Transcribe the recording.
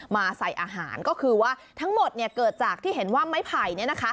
มาใส่อาหารก็คือว่าทั้งหมดเกิดจากที่เห็นว่าไม้ไผ่